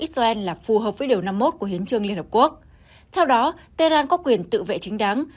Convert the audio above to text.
israel là phù hợp với điều năm mươi một của hiến trương liên hợp quốc theo đó tehran có quyền tự vệ chính đáng